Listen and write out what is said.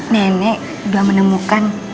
nenek udah menemukan